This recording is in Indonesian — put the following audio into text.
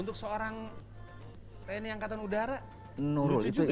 untuk seorang tni angkatan udara lucu juga